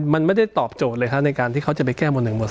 มันไม่ได้ตอบโจทย์เลยในการที่เขาจะไปแก้หมวด๑หวด